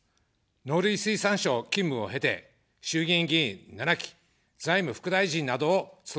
農林水産省勤務を経て、衆議院議員７期、財務副大臣などを務めました。